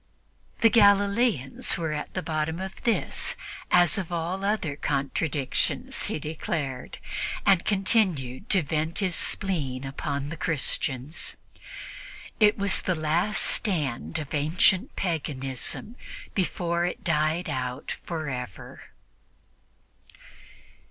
The Galileans were at the bottom of this as of all other contradictions, he declared, and continued to vent his spleen upon the Christians. It was the last stand of ancient paganism before it died out forever.